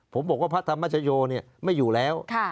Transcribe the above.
ผมบอกว่าพระธรรมชโยไม่อยู่แล้ว